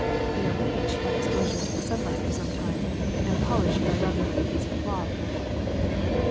They are bleached by exposure to the sun light for some time, and polished by rubbing with a piece of cloth.